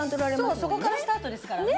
そこからスタートですからね